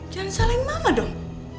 jangan salahin mama dong